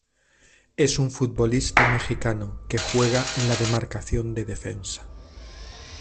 Es un futbolista mexicano que juega en la demarcación de defensa.